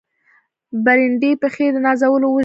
بربنډې پښې د نازولو وږمو